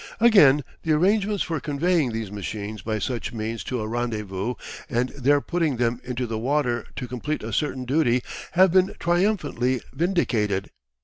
Again, the arrangements for conveying these machines by such means to a rendezvous, and there putting them into the water to complete a certain duty, have been triumphantly vindicated.